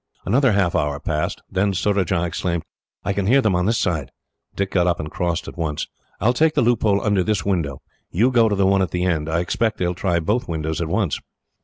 Another half hour passed. Then Surajah exclaimed, "I can hear them on this side." Dick got up, and crossed at once. "I will take the loophole under this window. You go to the one at the end. I expect they will try both windows at once."